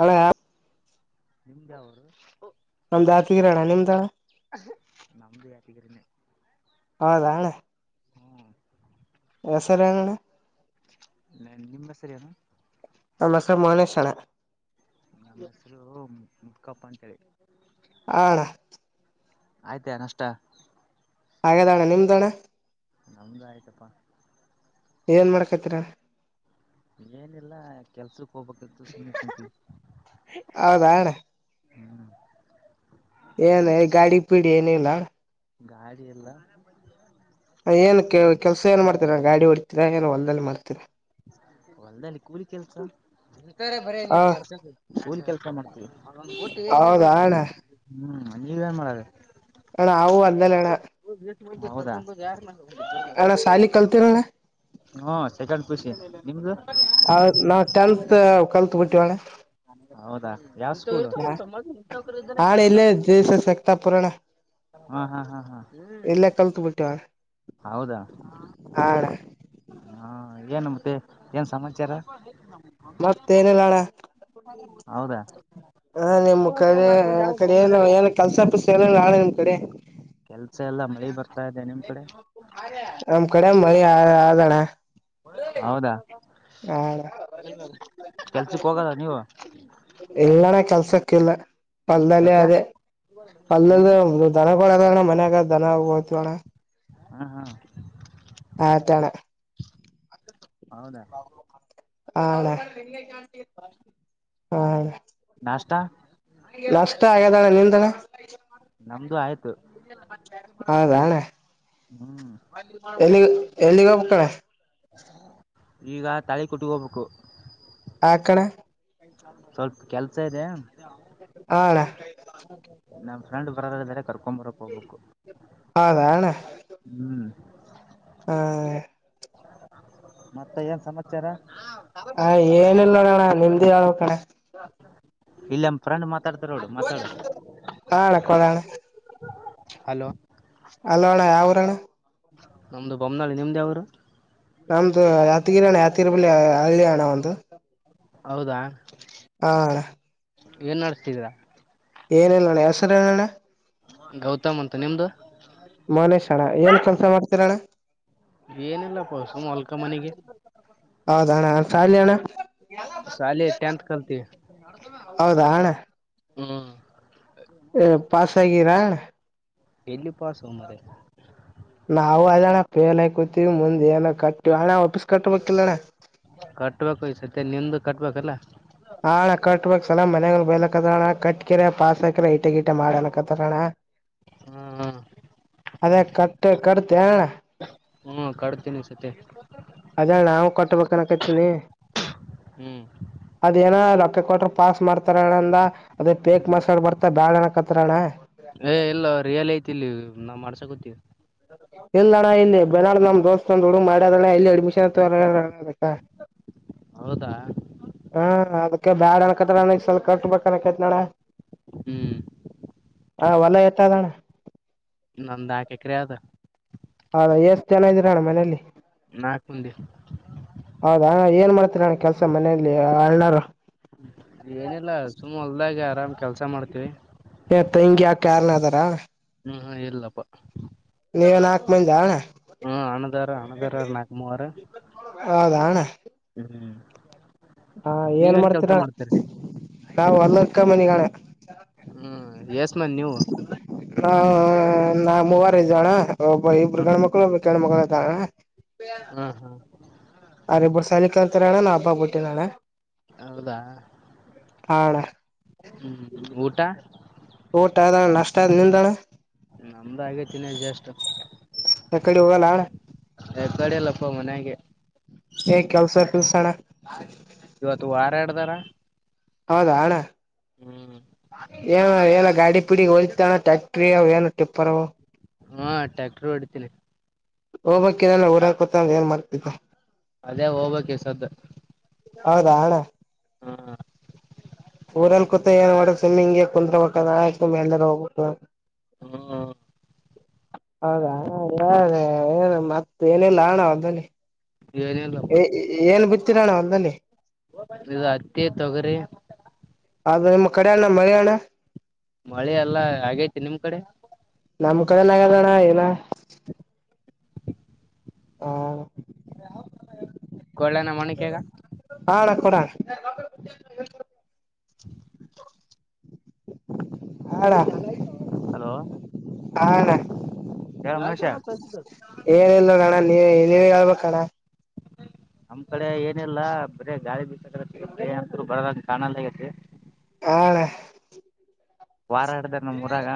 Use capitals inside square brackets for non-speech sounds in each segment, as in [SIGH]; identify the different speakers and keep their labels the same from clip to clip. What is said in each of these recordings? Speaker 1: ಹಳೆ ಆತಿಗಿರ ಅಣ್ಣ ನಿಮ್ದ ಅಣ್ಣ
Speaker 2: [UNINTELLIGIBLE]
Speaker 1: ಹೌದಾ ಅಣ್ಣ
Speaker 2: ಹ್ಮ್
Speaker 1: ಹೆಸರು ಏನೆಂನ್ನಾ
Speaker 2: ಸರಿ
Speaker 1: ನಮ್ಮ ಹೆಸರು ಮಾನಿಶ್ ಅಣ್ಣ
Speaker 2: ನಮ್ಮ ಹೆಸರು ಮುಕಪ್ಪ ಅಂತೇಳಿ
Speaker 1: ಹ ಅಣ್ಣ
Speaker 2: ಆಯ್ತಾ ನಷ್ಟ
Speaker 1: ಹಾಗೆದಣ್ಣ ನಿಮ್ದ ಅಣ್ಣ
Speaker 2: ನಮ್ದ ಆಯ್ತಪ್ಪಾ
Speaker 1: ಏನ್ ಮಾಡ್ಕೈತರ
Speaker 2: ಏನಿಲ್ಲ ಕೆಲ್ಸಕ್ ಹೋಗ್ಬೇಕು ಸು
Speaker 1: ಹೌದಾಣ್ಣ
Speaker 2: ಹ್ಮ್
Speaker 1: ಏನ ಈ ಗಾಡಿ ಪೀಡಿ ಏನಿಲ್ಲ
Speaker 2: ಗಾಡಿ ಎಲ್ಲ
Speaker 1: ಏನ್ ಕೆ ಕೆಲ್ಸ ಏನ್ ಮಾಡ್ತೀರಾ ಗಾಡಿ ಹೊಡ್ತೀರಾ ಏನ್ ಹೊಲಲ್ದಲ್ಲಿ ಮಾಡ್ತೀರಾ
Speaker 2: ಹೊಲ್ದಲಿ ಕೂಲಿ ಕೆಲ್ಸ ಇಂತಾರೆ ಬರೇ ನೀ
Speaker 1: ಹ
Speaker 2: ಕೆಸ ಹೂಲಿ ಕೆಲ್ಸ ಮಾಡ್ತೀವಿ ಊಟ್ಟ ಏನ
Speaker 1: ಹೌದಾ ಅಣ್ಣ
Speaker 2: ಹ್ಮ್ ನೀವೇನ್ ಮಾಡ್ರ
Speaker 1: ಹಣ ಆವು ಅಲ್ಲಲ್ಲಣ್ಣ
Speaker 2: ಹೌದಾ
Speaker 1: ಅಣ್ಣ ಸಾಲಿ ಕಲ್ತರಣ್ಣ
Speaker 2: ಹಾ ಚಕಂಡ ಖುಷಿ ನಿಮ್ದು
Speaker 1: ಕಲ್ ತು ಬಿಟ್ಟಿ ಒಳೆ
Speaker 2: ಹೌದಾ
Speaker 1: ಅಣ್ಣ ಇಲ್ಲೇ ಜೆ ಎಸ್ ಎಸ್ ಸಕ್ತಾಪುರ ಅಣ್ಣ
Speaker 2: ಹಾ ಹಾ ಹಾ ಹಾ
Speaker 1: ಇಲ್ಲೇ ಕಲ್ತ್ ಬಿಟ್ಟಿವಣ್ಣ
Speaker 2: ಹೌದಾ
Speaker 1: ಹಾ ಅಣ್ಣ
Speaker 2: ಹಾ ಮತ್ತೆ ಏನ್ ಮುಂದೆ ಏನ್ ಸಮಾಚಾರ
Speaker 1: ಮತ್ತೇಏನೆಲ್ಲಣ್ಣ
Speaker 2: ಹೌದಾ
Speaker 1: ಹಾ ನಿಮ್ ಕಡೆ ಆ ಕಡೆ ಏನು ಏನ ಕೆಲ್ಸ ಪಸ ಏನ ನಾಳೆ ನಿಮ್ ಕಡೆ
Speaker 2: ಕೆಲ್ಸ ಎಲ್ಲ ಮಳೆ ಬರ್ತ
Speaker 1: ನಮ್ ಕಡೆ ಮಳಿ ಆದಣ
Speaker 2: ಹೌದಾ
Speaker 1: ಹ
Speaker 2: ಕೆಲ್ಸಕ್ ಹೋಗಲ್ಲ ನೀವು
Speaker 1: ಇಲ್ಲ ಹೊಲದಲ್ಲಿ
Speaker 2: ಸತ್ಯ
Speaker 1: ಅದೇ
Speaker 2: ಹ್ಮ
Speaker 1: ಹೊಲದಲ್ಲಿ ಮನ್ಯಾಗ ದನ ಹೋತಿವಣ್ಣ
Speaker 2: ಹ್ಮ ಹ್ಮ
Speaker 1: ಆತಣ
Speaker 2: ಹೌದಾ [UNINTELLIGIBLE]
Speaker 1: ಆ ಅಣ್ಣ [UNINTELLIGIBLE] ಹಾ ಅಣ್ಣ
Speaker 2: ನಾಷ್ಟ
Speaker 1: ನಷ್ಟ ಆಗದಣ್ಣ ನಿಂತಣ
Speaker 2: ನಮ್ದು ಆಯ್ತು
Speaker 1: ಹಾದ ಅಣ್ಣ
Speaker 2: ಹ್ಮ್
Speaker 1: ಎಲ್ಲಿ ಎಲ್ಲಿಗ್ ಹೋಗ್ಬೇಕ್ ಅಣ್ಣ
Speaker 2: ಈಗ ತಳಿ ಕುಟ್ಟಕೋಬೇಕು
Speaker 1: ಯಾಕಣ್ಣ
Speaker 2: ಸ್ವಲ್ಪ ಕೆಲ್ಸ ಇದೆ
Speaker 1: ಹ
Speaker 2: ನಮ್ಮ ಫ್ರೆ್ ಬರೋರಲ್ಲ್ರ ಕರ್ಕೊ ಬರಕ್ ಹೋಗಬೇಕು
Speaker 1: ಹೌದಣ್ಣ ಹಾ
Speaker 2: ಮತ್ತೆ ಏನ್ ಸಮಾಚಾರ
Speaker 1: ಆ ಏನಿಲ್ಲ ಅಣ್ಣ ನಿಮ್ಮದೇ ಹೇಳ್ಬೇಕ್ ಅಣ್ಣ
Speaker 2: ಇಲ್ಲ ನಮ್ಮ ಫ್ರೆಂಡ್ ಮಾತಾಡ್ತಾರ ನೋಡು ಮಾತಾಡು
Speaker 1: ಹಾ ಅಣ್ಣ ಕೊಡೋಣ
Speaker 2: ಹಲೋ
Speaker 1: ಹಲೋ ಅಣ್ಣ ಯಾವೂರ್ ಅಣ್ಣ
Speaker 2: ನಮ್ದು ಬೊಮ್ಮನಹಳ್ಳಿ ನಿಮ್ಮದು ಯಾವೂರು
Speaker 1: ನಮ್ದು ಯಾದೀರಿಯಣ್ಣ ಯಾದಗಿರಿ ಬಳಿ ಹಳ್ಳಿ ಅಣ್ಣ ಒಂದು
Speaker 2: ಹೌದಾ
Speaker 1: ಹಾ ಅಣ್ಣ
Speaker 2: ನೀವು ಏನ್ ಮಾಡ್ತಿದ್ದೀರಾ
Speaker 1: ಏನ್ ಇಲ್ಲಾಣ ಹೇಸೂರಹೆಳಣ್ಣ
Speaker 2: ಗೌತಮ್ ಅಂತ ನಿಮ್ದ
Speaker 1: ಮನೇಶ್ ಅಣ್ಣ ಏನ್ ಕೆಲ್ಸ ಮಾಡ್ತೀರಣ್ಣ
Speaker 2: ಏನಿಲ್ಲಪ್ಪಸು ಹೊಲ್ಕ ಮನೆಗೆ
Speaker 1: ಅದಾಣ ಶಾಲಿ ಅಣ್ಣ
Speaker 2: ಶಾಲಿ ಟೆಂಥ ಕಲತೀವಿ
Speaker 1: ಹೌದಾ ಅಣ್ಣ
Speaker 2: ಹ್ಮ್
Speaker 1: ಪಾಸ್ ಆಗೀರಾ
Speaker 2: ಎಲ್ಲಿಿಪ್ಪಾಸು ಮ್ರ
Speaker 1: ನಾವು ಅದ ಫೇಲ್ ಆಯಕೂತಿವಿ ಮುಂದೆಏನ ಕಟ್ಟಿವಣ ವಾಪಸ್ ಕಟ್ಟಬೇಕ ಯಿಲ್ಲಣ
Speaker 2: ಮತ್ತೆ ನಿಂದು್ದು ಕಟ್ಬೇಕಲ್ಲ
Speaker 1: ಹಳ ಕಟ್ಟುವ ಸಲ ಮನೆಗಳು ಬಲಕದಾಳ ಕಟ್ಕರೆ ಪಾಸಕರೆ ಇ ಗಟ ಗೀಟ ಮಾಡನ ಕತ್ತಾರಣ
Speaker 2: ಹ್ಮ್
Speaker 1: ಅದೇ ಕಟ್ಟ ಕಟ್ಟ ತ್ಯಾಣ್ನ
Speaker 2: ಕಟ್ತೀನಿ ಈ ಸತಿ
Speaker 1: ಅದೇ ನಾ ಕೊಟ್ಟಬೇಕನಕತೀನಿ
Speaker 2: ಹ್ಮ್
Speaker 1: ಅದೇನ ರೊಕ್ಕ ಕೊಟ್ರ ಪಾಸ್ ಮಾಡ್ತಾರಣಂದ ಅದೇ ಪೇಕ್ ಮಸಾಡ್ ಬರ್ತಾ ಬ್ಯಾಳಣಕತ್ತ ತ್ರಣ್ಣ
Speaker 2: ಏ ಇಲ್ಲ ರಿಯಲ್ ಐತಿ ಇಲ್ಲಿ ನಾ ಮಾಡ್ಸಕೊತ್ತೀವಿ
Speaker 1: ಇಲ್ಲ ಅಣ್ಣ ಇನ್ನು ಬೆಳಾಡ ನಮ್ ದೋಸ್ತ ಒಂದ್ ಹಡುು ಮಾಡದ ಇಲ್ಲೆ ಅಡ್ಮಿಷನ್ ಆತವಣ್ಣ
Speaker 2: ಹೌದಾ
Speaker 1: ಹಾ ಅದಕ್ಕೆ ಬ್ಯಾಡ ಅನ್ಕತ್ ಅನಗ್ ಸ್ವಲ್ ಕಟ್ ಬನಕೈತ್ ನಡ
Speaker 2: ಹ್ಮ್
Speaker 1: ಹ್ ಹೊಲ ಎತ್ತದಣ
Speaker 2: ನಂದ ಡಿಗ್ರೀ ಆದ್
Speaker 1: ಹೌದಾ ಎಷ್ಟು ಜನ ಇದ್ದೀರಣ್ಣ ಮನೆಯಲ್ಲಿ
Speaker 2: ನಾಕ್ ಮಂದಿ
Speaker 1: ಹೌದಾ ಏನ್ ಮಾಡ ಹತ್ರಣ ಕೆಲ್ಸ ಮನೆಯಲ್ಲಿ ಆಳನರ್
Speaker 2: ಏನಿಲ್ಲ ಸುಮ್ಮ ಹೊಲ್ದಾಗ ಆರಾಮ್ ಕೆಲ್ಸ ಮಾಡ್ತೀವಿ
Speaker 1: ತೆಂಗಿ ಯಾಕ ಯಾರನ ಅದಾರ
Speaker 2: ಹ್ಮ ಹ ಎಲ್ಲಪ್ಪ
Speaker 1: ನೀವನ್ ಹಾಕ್ ಮಂದಿ ಅಣ್ಣ
Speaker 2: ಹ್ಮ ಆಣದೇರ ಆನದಾರ ನಾಕು ಮೂಾರ
Speaker 1: ಹೈದಾ ಅಣ್ಣಾ ಹಾ ಏನ್
Speaker 2: ನೀವೇನ್ ಕೆಲ್ಸ
Speaker 1: ಮಾಡ್ತೀರಣ
Speaker 2: ಮಾಡ್ತೀರಿ
Speaker 1: ನಾ್ ಹೊಲ್ಲಕ್ಕ ಮನಿಗಣೆ
Speaker 2: ಹ್ಮ್ ಯಸ್ಮನ್ ನೀವು
Speaker 1: ಹಾ ನಾ ಮೂವರೈಐದು ಜಣ ಒಬ್ಬ ಇಬ್ರು ಗಣ್ಮಕ್ಳುಬ್ ಗಣ್ಮಕ್ಳುಂತಣ
Speaker 2: ಹ್ಮ ಹ್ಮ್
Speaker 1: ಅರಿಬ್ರು ಶಾಲಿ ಕಲ್ತಾರ್ ಅಣ್ಣ ನಾ ಹಬ್ಬ ಬಿಟ್ಟಿನಣ್ಣ
Speaker 2: ಹೌದಾ
Speaker 1: ಹಣ್ಣ
Speaker 2: ಹ್ಮ್ ಊಟ
Speaker 1: ಊಟ ಆದ್ದಣ್ಣ ನಾಷ್ಟ ಆದಯ ನಿಂದಣ್ಣ
Speaker 2: ನಮ್ದ ಆಗೇತನಿ ಜಸ್ಟ್
Speaker 1: ಯಕಡೆ ಹೋಗಲ್ಲಣ್ಣ
Speaker 2: ಏಕಡಲ್ಲಪ್ಪ ಮನ್ಯಾಗೆ
Speaker 1: ಏ ಕೆಲ್ಸರ್ ಪಲ್ಸಣ
Speaker 2: ಇವತ್ತು ವಾರಾಡ್ದಾರ
Speaker 1: ಹೌದಾ ಅಣ್ಣ ಏ ಏನ ಗಾಡಿ ಇಡಿ ಒಲಿತಾನ ಟಕ್ಟ್ರಿಯ ವಏನು ಿಪ್ಪರ
Speaker 2: ಹಾ ಟ್ಯಾಕ್ಟರ್ ಒಡತೀನಿ
Speaker 1: ಹೋಗ್ಕ್ಕಲ್ಲ ಊರಾಕೊತ ಏನ್ ಮಾಡ್ತಿದ್ದ
Speaker 2: ಅದೇ ಹೋಗ್ಬಕ್ಕೆ ಸದ
Speaker 1: ಹೌದಾ ಹಣ
Speaker 2: ಹ್ಮ
Speaker 1: ಊರಲ್ಲಿ ಕುೂತ ಏನ್ ಮಾಡಬೇಕಕ್ ಸ್ವಿಮ್ಮಿಂಗ್ಗೆ ಕುತ್ಬೇಕ ಆಯ್ತು ಮೇಲ್ದ ಹೋಗಬೇಕು
Speaker 2: ಹ್ಮ
Speaker 1: ಹೌದಾ ಏನು ಮತ್ತ ಏನೆಲ್ಲ ಹಣ ಅಲ್ಲಿ
Speaker 2: ಏನಿಲ್ಲಪ್ಪ
Speaker 1: ಏನ್ ಬಿತ್ತಿರೋಣ ಅಲ್ಲಲ್ಲಿ
Speaker 2: ಇದು ಅತ್ಯೇ ತೊಗರೆ
Speaker 1: ಅದು ನಿಮ್ಮ ಕಡೆಣ್ಣ ಮಳೆಯ್ಣ
Speaker 2: ಮಳೆ ಎಲ್ಲಾ ಹಾಗೇೈತಿ ನಿಮ್ ಕಡೆ
Speaker 1: ನಮ ಕಡೆ ನಗದೋಣ ಏನ
Speaker 2: ಹ
Speaker 1: ಹಾ
Speaker 2: ಕೊಳ್ಳನ ಮಣಕಗ
Speaker 1: ಹಾಡ ಕೊಡಣ
Speaker 2: ಹ
Speaker 1: ಹಣ
Speaker 2: ಚ ಹಲೋ ಹೇಳ ಮಹೇಶ
Speaker 1: ಏನ್ ಇಲ್ವಣ್ಣ ನೀವ ನೀವ ಹೇಳ್ಬೇಕಣ
Speaker 2: ನಮ್ಮ್ ಕಡೆ ಏನಿಲ್ಲ ಬರ ಗಾಳಿ ಬೀಿಸಾ ಬ ಅಂತರು ಬರದ ಕಾಣಲ್ಲ ಹಗತಿ
Speaker 1: ಹಾ
Speaker 2: ವಾರ ಹಡ್ದ ನಮ ಊರಾಗ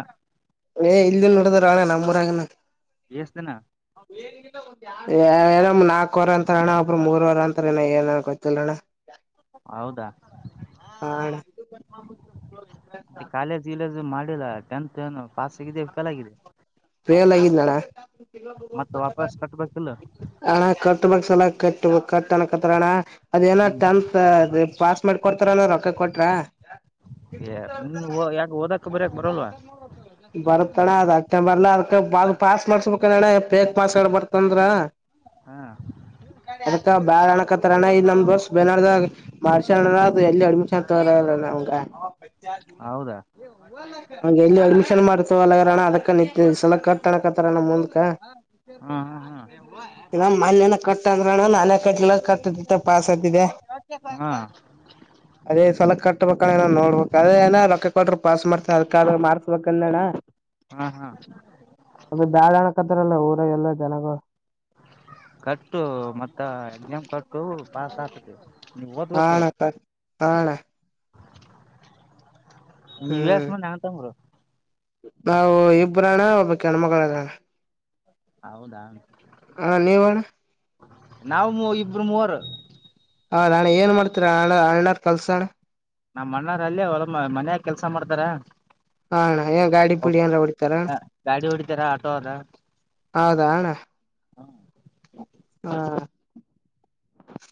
Speaker 1: ಏ ಇಲ್ಲಿ ನದಾರಣ ನಂಬ್ರ
Speaker 2: ಎಷ್ಟ್ದನಾ
Speaker 1: ಾರ ನಾಲ್ಕವರ ಅರ ಅಣ ಒಬ್್ರ ಮೂರ್ವರ ಅಂತಾರಣ್ಣ ಏನನ್ ಗೊತ್ತಿಲ್ಲ ಅಣ್ಣ
Speaker 2: ಹೌದಾ
Speaker 1: ಹಣ
Speaker 2: ಮತ್ತ ಕಾಲೇಜ್ ಇಲ್ಲ ಮಾಡ ಟೆಂತ್ ಏ ಪಾಸ್ ಸಿಗ ಫೇಲ್ ಆಗಿದೆ
Speaker 1: ಬೇಲ್ ಆಗಿದ ನಣ
Speaker 2: ಮತ್ತ ವಾಪಸ್ ಕಟ್ಬೇಕಿಲ್ಲ
Speaker 1: ಅಣ ಕಟ್ಟ ಮ ಲ ಕ ಕ ಕಣ ಅದ ನ
Speaker 2: ಹ್ಮ್
Speaker 1: ಟೆತ್ ಪಾಸ್ ಮಾಡಿ ಕೊಡ್ತಾರ ರೊಕ್ಕ ಕೊಟ್ಟ
Speaker 2: ಏ ನೀ ಯಾಕ ಓದಕ ಬರಯಕ್ ಬರಲ್ವಾ
Speaker 1: ಬರುತ್ತಣ ಡೆ ಪೇಕ್ ಪಾಸ್ಡೆ ಬತ ಂದ್ರ
Speaker 2: ಹಾ
Speaker 1: ಅದ ಬ್ಯಾಳ್ ಅಣಕತ್ತಾರ ಅಣ ಇ ನ ಬಸ್ ಬ ಮಾಡಸ ಅ ಎಲ್ಲಿ ಅಡ್ಮಿಷನ್ ತ ನಮಂಗ
Speaker 2: ಹೌದಾ
Speaker 1: ಮರುತ್ವಳರ ಅದಕ್ಕ ನಿತ್ ಸಲ ಕಣ ಕತಾರಣ ಮುಕ
Speaker 2: ಹ್ಮ ಹ್ಮ್ ಹ್ಮ್
Speaker 1: ಇ ಮನನ ಕಟ್ಟಂದ್ರಣ ನನೆ ಕಟ್ಲ ಕಟ್ಟತಿ ಪಸ್ತ್ತಿದೆ
Speaker 2: ಹಾ
Speaker 1: ಕಟ್ಟಬೇಕ ಏನೋ ನೋಡ್ಬೇಕಕ್ ಅದ ಏ ರೊಕ್ಕ ಕೊಡ್ರ ಪಸ್ ಮಾಡತತಿ ಅದ ಕಲ್ಯಾಣ
Speaker 2: ಹಾ ಹಾ
Speaker 1: ಅ ಬಾಳಣಕತ್ತಾರಲ್ಲ ಊರ ಎಲ್ಲ ಜನಗ
Speaker 2: ಕಟ್ಟು ಮತ್ತ ಎಕ್ಸಾಮ್ ಕಟ್ಟು ಪಾಸ್ ಆತತಿ
Speaker 1: ಹಣ ಹಣ ಹ್ಮ್
Speaker 2: ನೀವಸ್ ಮಂದ ಅಂತಂಗರು
Speaker 1: ನಾವು ಇಬ್ಬ್ರಣ್ಣ ಒಬ್ಬ ಕೆಣ್ಮಗಳರಣ್ಣ
Speaker 2: ಹೌದಾ
Speaker 1: ಹಾ ನಿವಣ
Speaker 2: ಬ್ರಮರ್
Speaker 1: ಹ ನಾನ ಏನ್ ಮಾಡ್ತೀರ ಅಣ ಅಣ್ಣಾರ್ ಕಲ್ಸೋಣ
Speaker 2: ನಾ್ ಮಣ್ಣಾರ ಅಲ್ಲಿ ಅವ ಮನ್ಯಾಗ ಕೆಲ್ಸ ಮಾಡ್ತಾರ
Speaker 1: ಹಣ್ಣ ಏ ಗಾಡಿ ಪೀಡಿ ಅಂದ ಹೊಡಿತಾರ
Speaker 2: ಗಾಡಿ ಹೊಡಿತಾರ ಆಟೋ ಅದ
Speaker 1: ಹೌದಾಣ ಹಾ.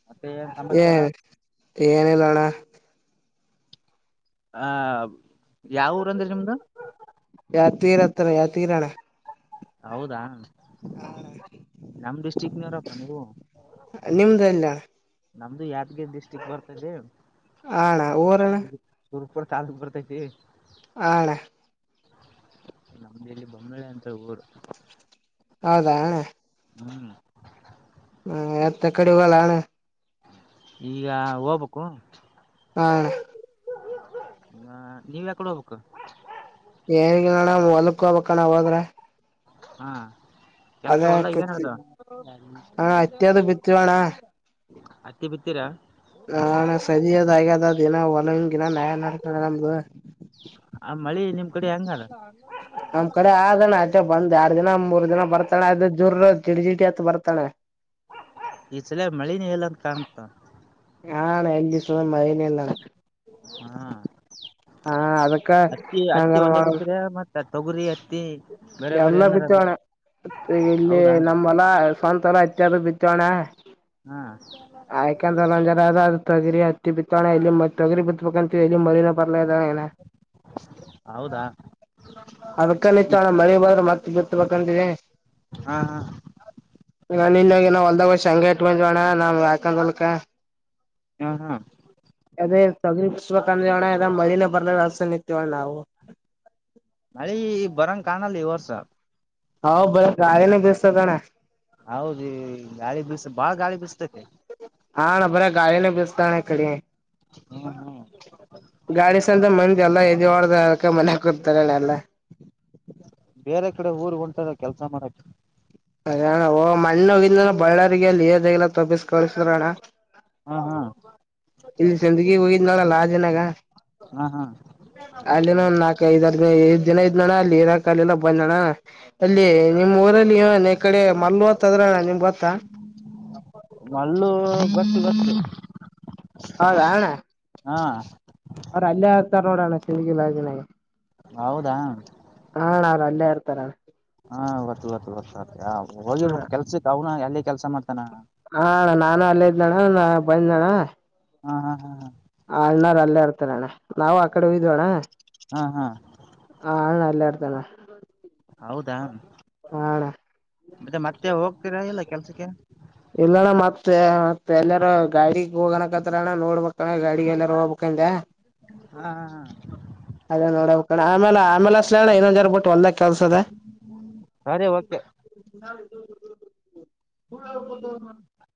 Speaker 2: ಮತ್ತೆ ಏನ್ ಸಮಾಚಾರ.
Speaker 1: ಏನ ಇಲ್ಲಣ್ಣ.
Speaker 2: ಆ ಯಾವ ಊರ ಅಂದ್ರಿ ನಿಮ್ದ.
Speaker 1: ಯಾ ತೀ ಹತ್ರ ಯಾದಗಿರ್ ಅಣ್ಣಾ.
Speaker 2: ಹೌದಾ ನಮ ಡಿಸ್ಟ್ರಿಕ್ನವರಪ್ಪಾ ನೀವು.
Speaker 1: ನಿಮ್ದಲ್ಲ.
Speaker 2: ನಮ್ದು ಯಾದಗಿರಿ ಡಿಸ್ಟಿಕ್ ಬರ್ತೈತಿ.
Speaker 1: ಹಾ ಅಣ್ಣಾ ಊರಣ್ಣಾ.
Speaker 2: [UNINTELLIGIBLE] ಬರ್ತೈತಿ
Speaker 1: ಆ ಅಣ್ಣಾ.
Speaker 2: ನಮ್ದ ಇಲ್ಲಿ ಬೊಮ್ಮಳೆ ಅಂತ ಉರ್.
Speaker 1: ಹೌದಾ ಅಣ್ಣಾ.
Speaker 2: ಹ್ಮ್ [UNINTELLIGIBLE]
Speaker 1: ಹ್ಮ್ ಎತ್ತ್ ಎಕಡಿ ಹೋಗಲ್ಲಣ್ಣ.
Speaker 2: ಈಗ ಹೋಗಬೇಕು.
Speaker 1: ಹಾ ಅಣ್ಣ.
Speaker 2: ಹ ನೀವ್ ಎಕಡ್ ಹೋಗಬೇಕು.
Speaker 1: ಏನಗಿಲ್ಲಣ ಹೊಲ್ಕ್ ಹೋಗಬೇಕಣ್ಣ ಹೋದ್ರ.
Speaker 2: ಹಾ ಕೆಲ್ಸ
Speaker 1: ಅದೇ
Speaker 2: ಹೋಲ್ದಾಗ್ ಏನ್
Speaker 1: ಕತ್ತಿ
Speaker 2: ನಡದವ್.
Speaker 1: ಹಾ ಹತ್ತಿ ಅದು ಬಿತ್ತಿವಣ್ಣ
Speaker 2: ಹತ್ತಿ ಬಿತ್ತೀರಾ.
Speaker 1: ಹಾ ಅಣ್ಣಾ ಸದಿ ಅದ ಆಗ್ಯದ ಅದ ಇನ್ನ್ ನಂಗ್ ಇನ್ ನ್ಯಾಯ ನಡೀತುದ ನಮ್ದು.
Speaker 2: ಆ ಮಳಿ ನಿಮ್ ಕಡೆ ಹೆಂಗದ
Speaker 1: ನಮ್ ಕಡೆ ಆದಣ್ಣ ಅಷ್ಟೆ ಬಂದ್ ಯಾಡ್ ದಿನ ಮೂರ್ ದಿನ ಬರ್ತ ಅಣ್ಣಾ ಅದು ಜುರ ಅಂತ್ ಜಿಟಿ ಜಿಟಿ ಅಂತ್ ಬರ್ತ್ ಅಣ್ಣಾ.
Speaker 2: ಈ ಸಲಾ ಮಳಿನೆ ಇಲ್ಲ ಅಂತ್ ಕಾಣ್ತದ.
Speaker 1: ಹಾ ಅಣ್ಣಾ ಎಲ್ಲಿ ಇಸಲಾ ಮಳಿನೇ ಇಲ್ಲಣ್ಣಾ.
Speaker 2: ಹಾ
Speaker 1: ಅದಕ್ಕ
Speaker 2: ಹತ್ತಿ ಹತ್ತಿ
Speaker 1: ನಂಗನ
Speaker 2: ಒಂದೇ
Speaker 1: ಮಾಡ
Speaker 2: ಬಿತ್ತಿರೆ ಮತ್ತ ತೊಗುರಿ ಹತ್ತಿ ಬೇರೆ ಬೇರೆ ಏನಾರ ಬಿತ್ತ
Speaker 1: ಮತ್ತೆ ಇಲ್ಲಿ
Speaker 2: ಹೌದಾ
Speaker 1: ನಮ್ಮ ಹೊಲ ಸ್ವಂತ ಹೊಲಾ ಹತ್ತಿ ಅದು ಬಿತ್ತೇವ್ ಅಣ್ಣಾ.
Speaker 2: ಹಾ
Speaker 1: ಆಯ್ಕಂದ್ರ ಒಂದ್ ಜರಾ ಅದಾ ತೊಗರಿ ಹತ್ತಿ ಬಿತ್ತೇವ್ ಅಣ್ಣಾ ಇಲ್ಲಿ ಮತ್ತ್ ತೊಗರಿ ಬಿತ್ತ ಬೇಕ್ ಅಂತ್ ಎಲ್ಲಿ ಮಳಿನೆ ಬರ್ತ್ [UNINTELLIGIBLE]
Speaker 2: ಹೌದಾ
Speaker 1: ಅದಕ್ಕ ನಿಂತೇವ್ ಅಣ್ಣಾ. ರ್ ಮತ್ತ ಬಿತ್ತಬೇಕ್ ಅಂತ್ ಇದಿನಿ.
Speaker 2: ಹಾ ಹಾ
Speaker 1: ಈಗ್ ನಿನ್ನೆ ಹೋಗಿ ಏನೋ ಹೋಲ್ದಾಗ್ ಹೋಗಿ ಶೇಂಗಾ ಹಾಕಿ ಬಂದಿವ ಅಣ್ಣಾ ನಮ್ ಅಕ್ಕಂದ್ ಹೊಲ್ಕಾ.
Speaker 2: ಹಾ ಹಾ
Speaker 1: ಅದೇ ತೊಗರಿ ಕುಸಬೇಕ ಅಂದೇವ್ ಅಣ್ಣಾ ಇನ್ನ್ ಮಳಿನೇ ಬರಲ್
Speaker 2: ಮಳಿ ಬರಂಗ ಕಾಣಲ್ಲ ಈ ವರ್ಷ.
Speaker 1: ಹೌ ಬರಿ ಗಾಳಿನೇ ಬಿಸ್ತೆತ ಅಣ್ಣ.
Speaker 2: ಹೌದ್ ಈಗ್ ಗಾಳಿ ಬಿಸ ಬಾಳ ಗಾಳಿ ಬಿಸತೈತಿ.
Speaker 1: ಹಾ ಅಣ್ಣಾ ಬರೆ ಗಾಳಿನೆ ಬೀಸ್ತದ ಅಣ್ಣಾ ಇಕಡಿ.
Speaker 2: ಹ್ಮ್ ಹ್ಮ್
Speaker 1: ಗಾಡಿ ಸಂತ ಮಂದೀ ಎಲ್ಲಾ ನಿದ್ದಿ ಹೊಡದ ಅದ್ಕ ಮನ್ಯಾಗ ಕುತ್ತಾರ್ ಎಲ್ಲಾ.
Speaker 2: ಬೇರೆ ಕಡೆ ಊರು ಹೊಂಟಾರ ಕೆಲ್ಸಾ ಮಾಡಕ್ಕ.
Speaker 1: ಅದೇ ಅಣ್ಣ ಓ ಮಣ್ಣ ಹೋಗಿದ್ನಲ್ಲಾ ಬಳ್ಳಾರಿಗ ಅಲ್ಲಿ [UNINTELLIGIBLE] ತೊಪ್ಪಿಸ ಕಳಸಿದ್ರಣ್ಣ
Speaker 2: ಹಾ ಹಾ
Speaker 1: ಇಲ್ಲಿ ಸಿಂದಗಿಗ್ ಹೋಗಿದ್ನಲ್ಲ [UNINTELLIGIBLE] ನಾಗ್.
Speaker 2: ಹಾ ಹಾ
Speaker 1: ಅಲ್ಲಿನ ಒಂದ ನಾಲ್ಕ ಐದಾರ್ ದಿನ ಇದ್ ಇದ್ದ ನನ್ನಾ ಅಲ್ಲಿ ಇರಾಕ್ ಆಗ್ಲಿಲ್ಲ ಬನ್ನಣ್ಣ. ಅಲ್ಲಿ ನಿಮ್ಮ್ ಊರಲ್ಲಿ ಇನ್ ಈ ಕಡೆ ಮಲ್ಲು ಅಂತ ಅದಾರ್ ಅಲಾ ನಿಮ್ ಗೊತ್ತಾ.
Speaker 2: ಮಲ್ಲು ಗೊತ್ತು ಗೊತ್ತು
Speaker 1: ಹೌದ
Speaker 2: ಹಾ
Speaker 1: ಅವ್ರ ಅಲ್ಲೇ ಇರ್ತಾರ್ ನೋಡೋಣ ಹ
Speaker 2: ಹೌದಾ
Speaker 1: ಅಣ್ಣ ಅವ್ರು ಅಲ್ಲೇ ಇರ್ತಾರೆ
Speaker 2: ಹಾ ಗೊತ್ತು ಗೊತ್ತು ಗೊತ್ತು ಹೋಗಿರ್ ಬೇಕು ಕೆಲ್ಸಕ್ ಅವನ
Speaker 1: ಹಾ ಅಣ್ಣ ನಾನು ಅಲ್ಲೇ ಇದನಣ್ಣ ನಾ ಬಂದನಣ್ಣ
Speaker 2: ಹಾ ಹಾ ಹಾ ಹಾ
Speaker 1: ಅಣ್ಣ ಅವ್ರು ಅಲ್ಲೇ ಇರ್ತಾರ ಅಣ್ಣ ನಾವು ಆಕಡೆ ಹೋಗಿದ್ವಿ ಅಣ್ಣ
Speaker 2: ಹಾ ಹಾ
Speaker 1: ಆ ಅಣ್ಣ ಅಲ್ಲೇ ಇರ್ತಾನೆ
Speaker 2: ಹೌದಾ ಮತ್ತೆ ಮತ್ತೆ ಹೋಗ್ತೀರಾ ಏನು ಕೆಲ್ಸಕ್ಕೆ
Speaker 1: ಇಲ್ಲಣ್ಣ ಮತ್ತೆ ಎಲ್ಲಾರೂ ಗಾಡಿಗೆ ಹೋಗನಕತ್ರಣ್ಣ ನೋಡ್ಬೇಕಣ ಗಾಡಿಗೆ ಎಲ್ಲ ನೋಡಬೆಕು ಅಂದೇ
Speaker 2: ಹಾ ಹಾ ಹಾ
Speaker 1: ಅದೇ ನೋಡಕಣ ಆಮೇಲೆ ಆಮೇಲೆ ಹಚ್ಚಲೇನ ಇನ್ನೊಂದು ಎರಡು ತಾಸ್ ಬಿಟ್ಟು ಹೊಲದದಲ್ಲಿ ಕೆಲ್ಸದೆ
Speaker 2: ಸರಿ ಓಕೆ
Speaker 1: [UNINTELLIGIBLE]
Speaker 2: [INAUDIBLE]